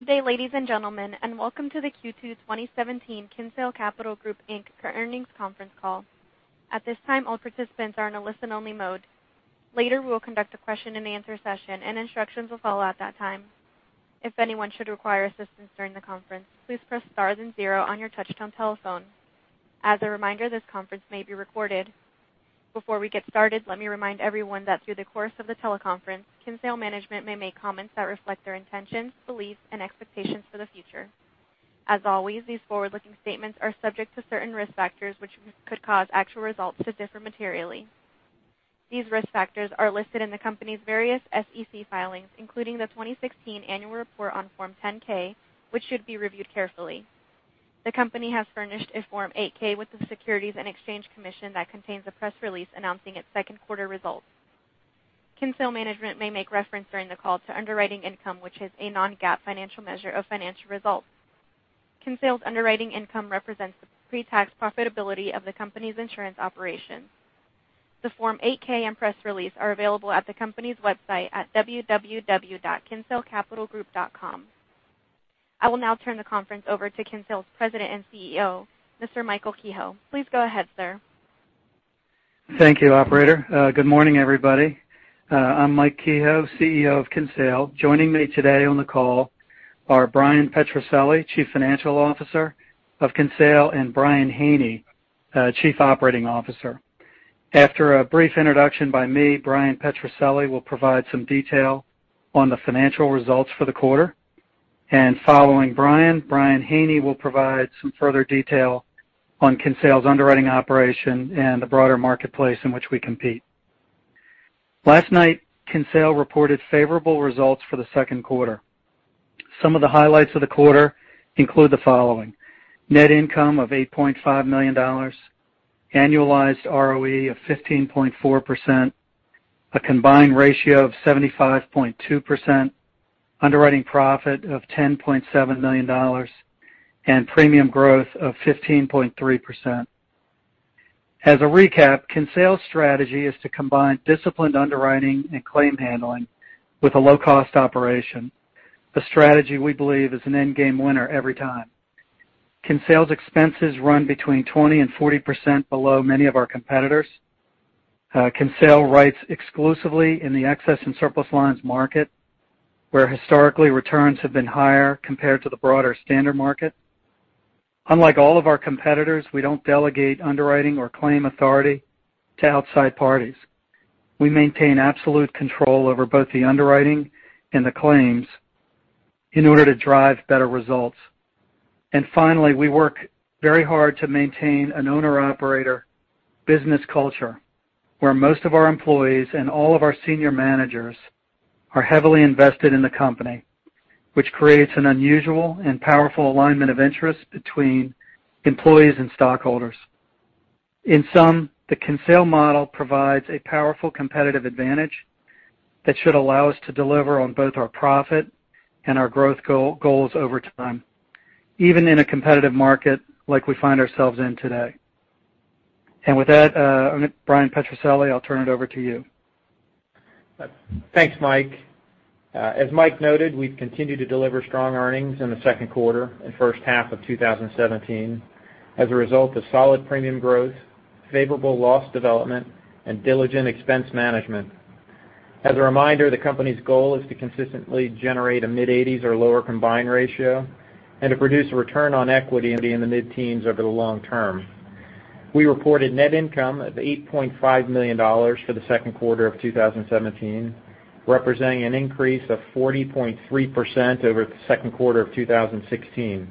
Good day, ladies and gentlemen, and welcome to the Q2 2017 Kinsale Capital Group Inc. earnings conference call. At this time, all participants are in a listen-only mode. Later, we will conduct a question and answer session, and instructions will follow at that time. If anyone should require assistance during the conference, please press star then zero on your touch-tone telephone. As a reminder, this conference may be recorded. Before we get started, let me remind everyone that through the course of the teleconference, Kinsale management may make comments that reflect their intentions, beliefs, and expectations for the future. As always, these forward-looking statements are subject to certain risk factors which could cause actual results to differ materially. These risk factors are listed in the company's various SEC filings, including the 2016 Annual Report on Form 10-K, which should be reviewed carefully. The company has furnished a Form 8-K with the Securities and Exchange Commission that contains a press release announcing its second quarter results. Kinsale management may make reference during the call to underwriting income, which is a non-GAAP financial measure of financial results. Kinsale's underwriting income represents the pre-tax profitability of the company's insurance operations. The Form 8-K and press release are available at the company's website at www.kinsalecapitalgroup.com. I will now turn the conference over to Kinsale's President and CEO, Mr. Michael Kehoe. Please go ahead, sir. Thank you, operator. Good morning, everybody. I'm Mike Kehoe, CEO of Kinsale. Joining me today on the call are Bryan Petrucelli, Chief Financial Officer of Kinsale, and Brian Haney, Chief Operating Officer. After a brief introduction by me, Bryan Petrucelli will provide some detail on the financial results for the quarter. Following Brian Haney will provide some further detail on Kinsale's underwriting operation and the broader marketplace in which we compete. Last night, Kinsale reported favorable results for the second quarter. Some of the highlights of the quarter include the following: net income of $8.5 million, annualized ROE of 15.4%, a combined ratio of 75.2%, underwriting profit of $10.7 million, and premium growth of 15.3%. As a recap, Kinsale's strategy is to combine disciplined underwriting and claim handling with a low-cost operation. The strategy, we believe, is an end game winner every time. Kinsale's expenses run between 20% and 40% below many of our competitors. Kinsale writes exclusively in the excess and surplus lines market, where historically, returns have been higher compared to the broader standard market. Unlike all of our competitors, we don't delegate underwriting or claim authority to outside parties. We maintain absolute control over both the underwriting and the claims in order to drive better results. Finally, we work very hard to maintain an owner/operator business culture where most of our employees and all of our senior managers are heavily invested in the company, which creates an unusual and powerful alignment of interest between employees and stockholders. In sum, the Kinsale model provides a powerful competitive advantage that should allow us to deliver on both our profit and our growth goals over time, even in a competitive market like we find ourselves in today. With that, Bryan Petrucelli, I'll turn it over to you. Thanks, Mike. As Mike noted, we've continued to deliver strong earnings in the second quarter and first half of 2017 as a result of solid premium growth, favorable loss development, and diligent expense management. As a reminder, the company's goal is to consistently generate a mid-80s or lower combined ratio and to produce a return on equity in the mid-teens over the long term. We reported net income of $8.5 million for the second quarter of 2017, representing an increase of 40.3% over the second quarter of 2016.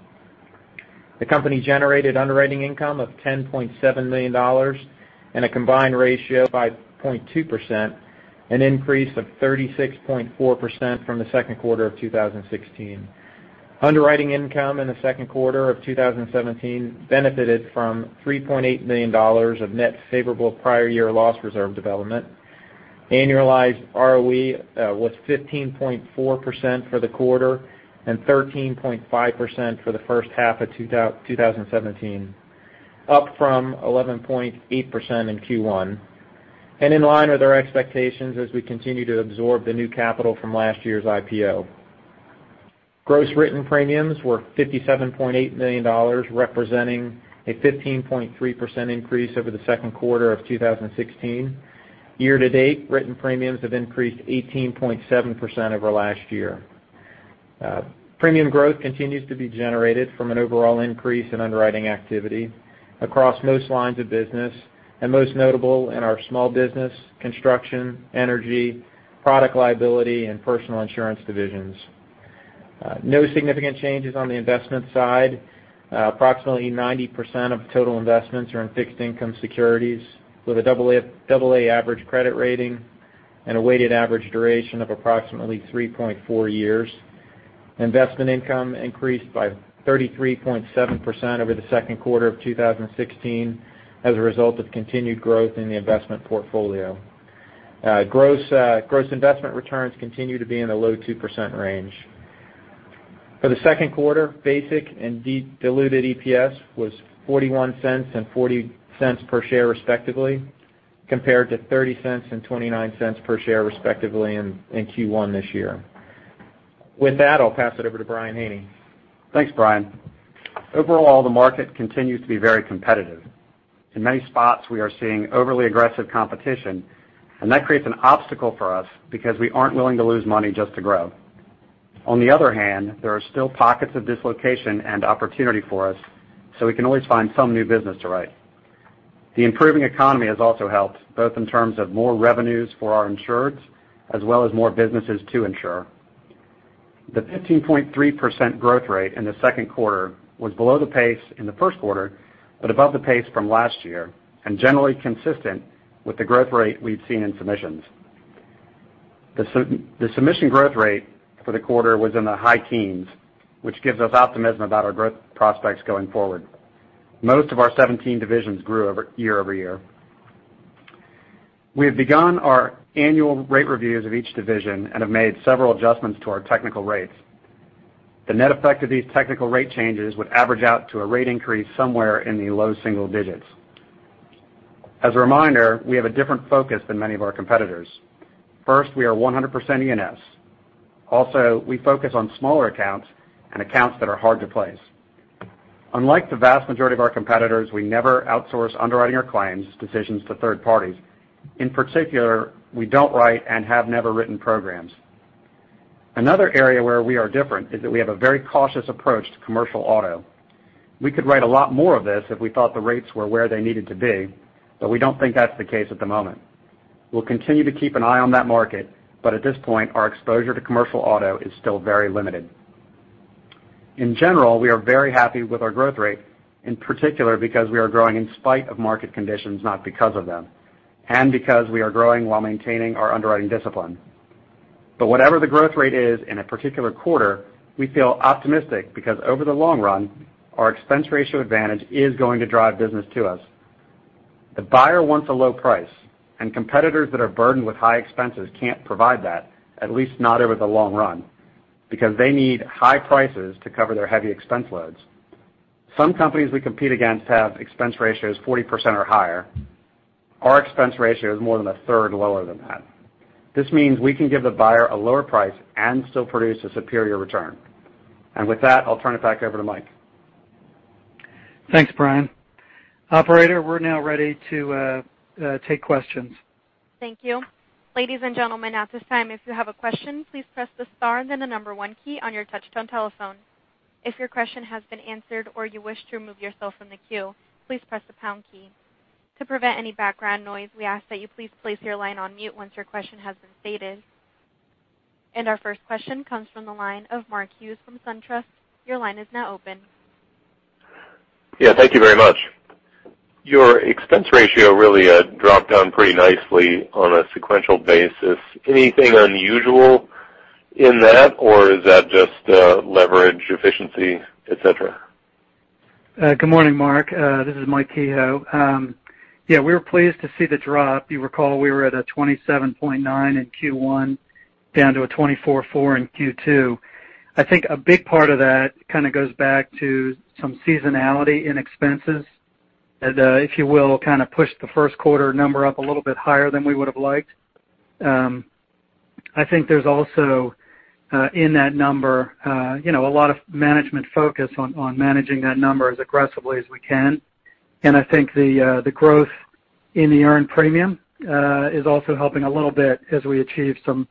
The company generated underwriting income of $10.7 million and a combined ratio by 0.2%, an increase of 36.4% from the second quarter of 2016. Underwriting income in the second quarter of 2017 benefited from $3.8 million of net favorable prior year loss reserve development. Annualized ROE was 15.4% for the quarter and 13.5% for the first half of 2017, up from 11.8% in Q1. In line with our expectations as we continue to absorb the new capital from last year's IPO. Gross written premiums were $57.8 million, representing a 15.3% increase over the second quarter of 2016. Year-to-date, written premiums have increased 18.7% over last year. Premium growth continues to be generated from an overall increase in underwriting activity across most lines of business and most notable in our small business, construction, energy, product liability, and personal insurance divisions. No significant changes on the investment side. Approximately 90% of total investments are in fixed income securities with a AA average credit rating and a weighted average duration of approximately 3.4 years. Investment income increased by 33.7% over the second quarter of 2016 as a result of continued growth in the investment portfolio. Gross investment returns continue to be in the low 2% range. For the second quarter, basic and diluted EPS was $0.41 and $0.40 per share respectively. Compared to $0.30 and $0.29 per share respectively in Q1 this year. With that, I'll pass it over to Brian Haney. Thanks, Brian. Overall, the market continues to be very competitive. In many spots, we are seeing overly aggressive competition. That creates an obstacle for us because we aren't willing to lose money just to grow. On the other hand, there are still pockets of dislocation and opportunity for us. We can always find some new business to write. The improving economy has also helped, both in terms of more revenues for our insureds, as well as more businesses to insure. The 15.3% growth rate in the second quarter was below the pace in the first quarter, above the pace from last year, generally consistent with the growth rate we've seen in submissions. The submission growth rate for the quarter was in the high teens, which gives us optimism about our growth prospects going forward. Most of our 17 divisions grew year-over-year. We have begun our annual rate reviews of each division. We have made several adjustments to our technical rates. The net effect of these technical rate changes would average out to a rate increase somewhere in the low single digits. As a reminder, we have a different focus than many of our competitors. First, we are 100% E&S. We focus on smaller accounts and accounts that are hard to place. Unlike the vast majority of our competitors, we never outsource underwriting our claims decisions to third parties. In particular, we don't write and have never written programs. Another area where we are different is that we have a very cautious approach to commercial auto. We could write a lot more of this if we thought the rates were where they needed to be. We don't think that's the case at the moment. We'll continue to keep an eye on that market. At this point, our exposure to commercial auto is still very limited. In general, we are very happy with our growth rate, in particular because we are growing in spite of market conditions, not because of them, because we are growing while maintaining our underwriting discipline. Whatever the growth rate is in a particular quarter, we feel optimistic because over the long run, our expense ratio advantage is going to drive business to us. The buyer wants a low price. Competitors that are burdened with high expenses can't provide that, at least not over the long run, because they need high prices to cover their heavy expense loads. Some companies we compete against have expense ratios 40% or higher. Our expense ratio is more than a third lower than that. This means we can give the buyer a lower price and still produce a superior return. With that, I'll turn it back over to Mike. Thanks, Brian. Operator, we're now ready to take questions. Thank you. Ladies and gentlemen, at this time, if you have a question, please press the star then the number one key on your touch-tone telephone. If your question has been answered or you wish to remove yourself from the queue, please press the pound key. To prevent any background noise, we ask that you please place your line on mute once your question has been stated. Our first question comes from the line of Mark Hughes from SunTrust. Your line is now open. Yeah, thank you very much. Your expense ratio really dropped down pretty nicely on a sequential basis. Anything unusual in that, or is that just leverage efficiency, et cetera? Good morning, Mark. This is Mike Kehoe. Yeah, we were pleased to see the drop. You recall we were at a 27.9 in Q1 down to a 24.4 in Q2. I think a big part of that kind of goes back to some seasonality in expenses that, if you will, kind of pushed the first quarter number up a little bit higher than we would've liked. I think there's also, in that number, a lot of management focus on managing that number as aggressively as we can. I think the growth in the earned premium is also helping a little bit as we achieve some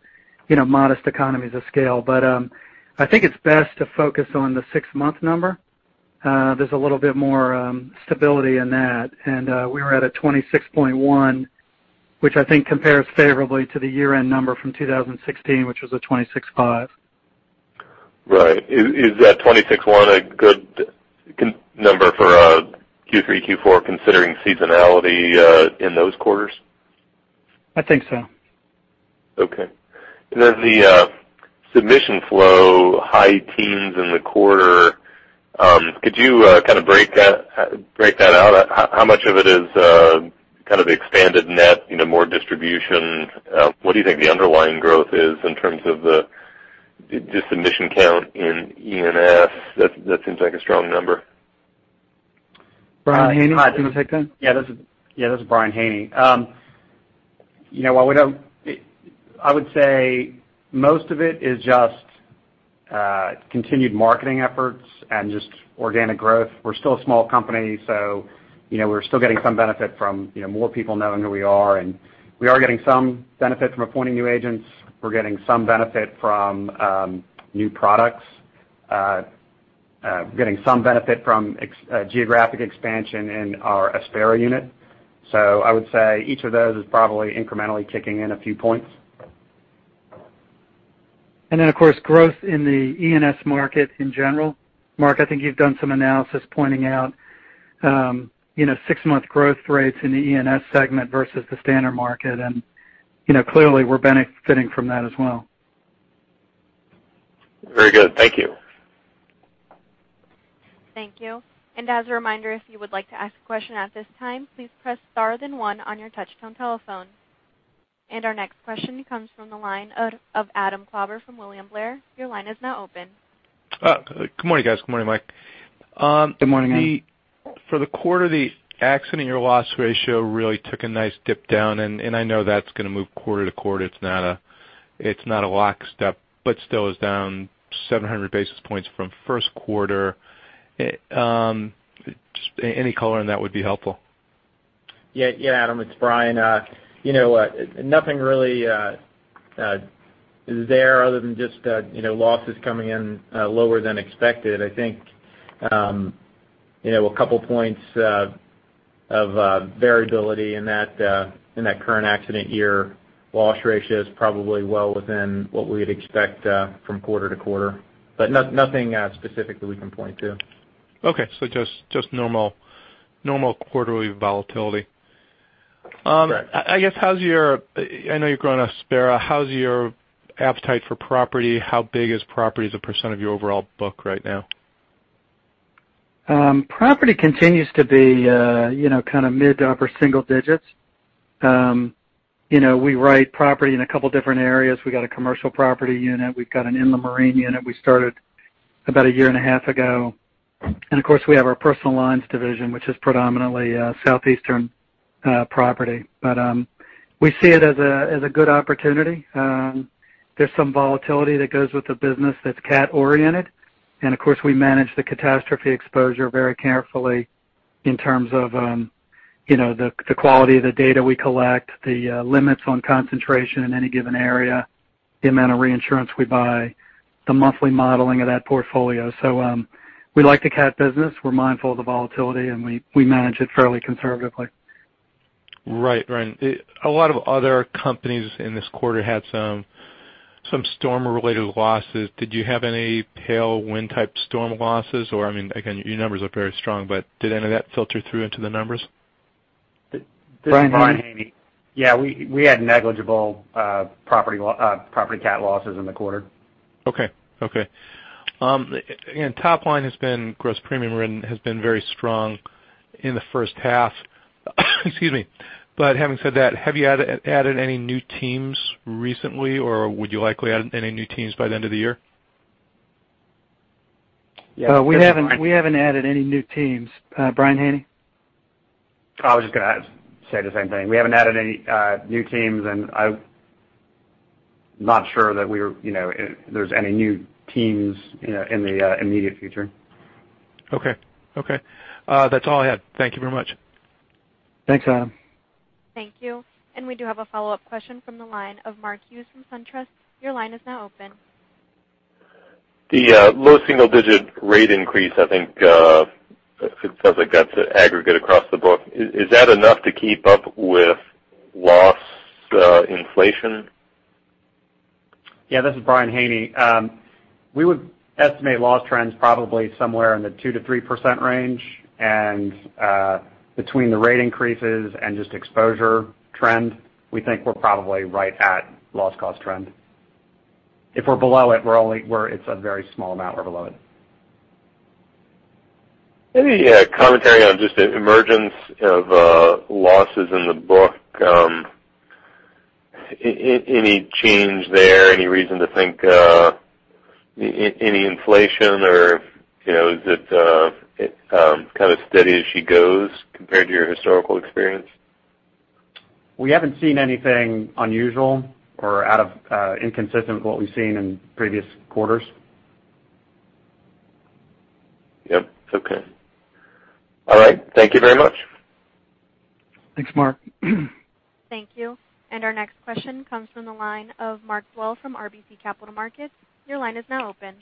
modest economies of scale. I think it's best to focus on the six-month number. There's a little bit more stability in that. We were at a 26.1, which I think compares favorably to the year-end number from 2016, which was a 26.5. Right. Is that 26.1 a good number for Q3, Q4, considering seasonality in those quarters? I think so. Okay. Then the submission flow high teens in the quarter, could you kind of break that out? How much of it is kind of expanded net, more distribution? What do you think the underlying growth is in terms of the submission count in E&S? That seems like a strong number. Brian Haney. Yeah, this is Brian Haney. I would say most of it is just continued marketing efforts and just organic growth. We're still a small company, so we're still getting some benefit from more people knowing who we are, and we are getting some benefit from appointing new agents. We're getting some benefit from new products. We're getting some benefit from geographic expansion in our Aspera unit. I would say each of those is probably incrementally kicking in a few points. Of course, growth in the E&S market in general. Mark, I think you've done some analysis pointing out six-month growth rates in the E&S segment versus the standard market, clearly, we're benefiting from that as well. Very good. Thank you. Thank you. As a reminder, if you would like to ask a question at this time, please press star then one on your touch-tone telephone. Our next question comes from the line of Adam Klauber from William Blair. Your line is now open. Good morning, guys. Good morning, Mike. Good morning, Adam. For the quarter, the accident year loss ratio really took a nice dip down. I know that's going to move quarter to quarter. It's not a lock step. Still is down 700 basis points from first quarter. Just any color on that would be helpful. Yeah, Adam, it's Brian. Nothing really is there other than just losses coming in lower than expected. I think a couple points of variability in that current accident year loss ratio is probably well within what we'd expect from quarter to quarter. Nothing specific that we can point to. Okay. Just normal quarterly volatility. Correct. I know you've grown Aspera, how's your appetite for property? How big is property as a % of your overall book right now? Property continues to be mid to upper single digits. We write property in a couple of different areas. We got a commercial property unit. We've got an inland marine unit we started about a year and a half ago. Of course, we have our personal lines division, which is predominantly Southeastern property. We see it as a good opportunity. There's some volatility that goes with the business that's cat oriented. Of course, we manage the catastrophe exposure very carefully in terms of the quality of the data we collect, the limits on concentration in any given area, the amount of reinsurance we buy, the monthly modeling of that portfolio. We like the cat business. We're mindful of the volatility, and we manage it fairly conservatively. Right. A lot of other companies in this quarter had some storm-related losses. Did you have any tailwind-type storm losses, or, again, your numbers look very strong, but did any of that filter through into the numbers? This is Brian Haney. Yeah, we had negligible property cat losses in the quarter. Okay. Top line has been, gross premium written, has been very strong in the first half. Excuse me. Having said that, have you added any new teams recently, or would you likely add any new teams by the end of the year? We haven't added any new teams. Brian Haney? I was just going to say the same thing. We haven't added any new teams, and I'm not sure that there's any new teams in the immediate future. Okay. That's all I had. Thank you very much. Thanks, Adam. Thank you. We do have a follow-up question from the line of Mark Hughes from SunTrust. Your line is now open. The low single-digit rate increase, I think, it sounds like that's an aggregate across the book. Is that enough to keep up with loss inflation? Yeah, this is Brian Haney. We would estimate loss trends probably somewhere in the 2%-3% range. Between the rate increases and just exposure trend, we think we're probably right at loss cost trend. If we're below it's a very small amount we're below it. Any commentary on just the emergence of losses in the book? Any change there? Any reason to think any inflation, or is it kind of steady as she goes compared to your historical experience? We haven't seen anything unusual or inconsistent with what we've seen in previous quarters. Yep. Okay. All right. Thank you very much. Thanks, Mark. Thank you. Our next question comes from the line of Mark Wei from RBC Capital Markets. Your line is now open.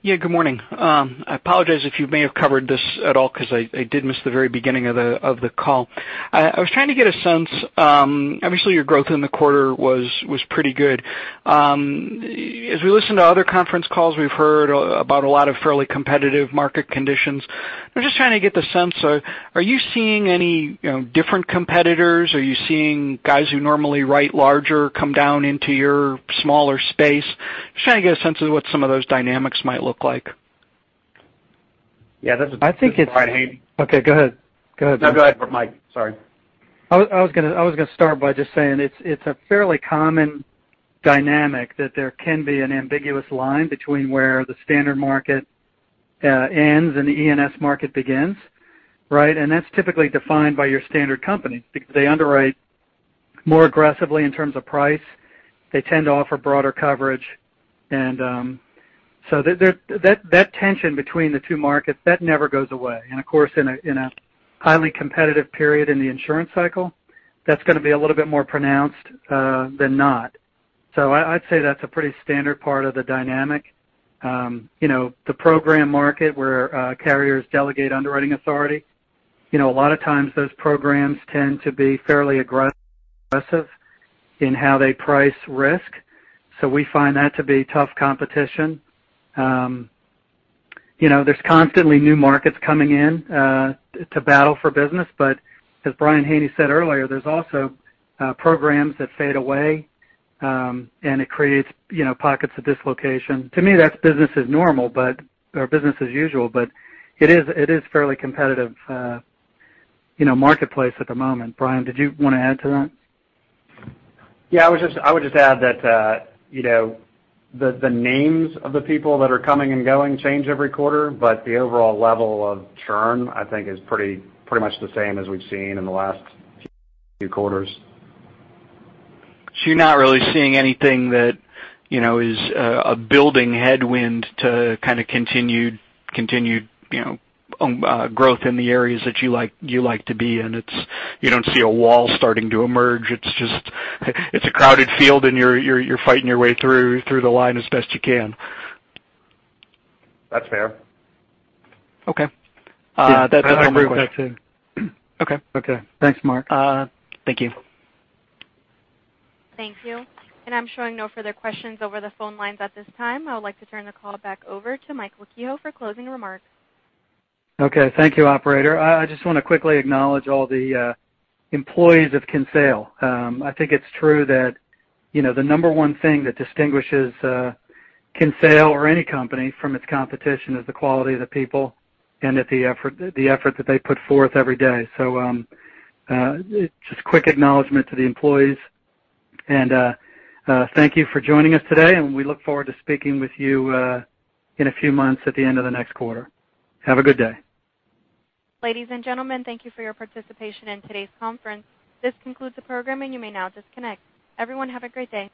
Yeah, good morning. I apologize if you may have covered this at all because I did miss the very beginning of the call. I was trying to get a sense, obviously, your growth in the quarter was pretty good. As we listen to other conference calls, we've heard about a lot of fairly competitive market conditions. I'm just trying to get the sense, are you seeing any different competitors? Are you seeing guys who normally write larger come down into your smaller space? Just trying to get a sense of what some of those dynamics might look like. Yeah, this is Brian Haney. Okay, go ahead. No, go ahead, Mike. Sorry. I was going to start by just saying it's a fairly common dynamic that there can be an ambiguous line between where the standard market ends and the E&S market begins. Right? That's typically defined by your standard company because they underwrite more aggressively in terms of price. They tend to offer broader coverage. That tension between the two markets, that never goes away. Of course, in a highly competitive period in the insurance cycle, that's going to be a little bit more pronounced than not. I'd say that's a pretty standard part of the dynamic. The program market where carriers delegate underwriting authority, a lot of times those programs tend to be fairly aggressive in how they price risk. We find that to be tough competition. There's constantly new markets coming in to battle for business, as Brian Haney said earlier, there's also programs that fade away, and it creates pockets of dislocation. To me, that's business as usual, it is fairly competitive marketplace at the moment. Brian, did you want to add to that? Yeah, I would just add that the names of the people that are coming and going change every quarter, but the overall level of churn, I think, is pretty much the same as we've seen in the last few quarters. You're not really seeing anything that is a building headwind to kind of continued growth in the areas that you like to be in. You don't see a wall starting to emerge. It's a crowded field, and you're fighting your way through the line as best you can. That's fair. Okay. I would agree with that, too. Okay. Okay. Thanks, Mark. Thank you. Thank you. I'm showing no further questions over the phone lines at this time. I would like to turn the call back over to Mike Kehoe for closing remarks. Okay. Thank you, operator. I just want to quickly acknowledge all the employees of Kinsale. I think it's true that the number one thing that distinguishes Kinsale or any company from its competition is the quality of the people and the effort that they put forth every day. Just quick acknowledgment to the employees, and thank you for joining us today, and we look forward to speaking with you in a few months at the end of the next quarter. Have a good day. Ladies and gentlemen, thank you for your participation in today's conference. This concludes the program, and you may now disconnect. Everyone, have a great day.